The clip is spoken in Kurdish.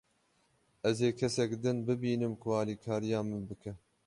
Ez ê kesek din bibînim ku alîkariya min bike.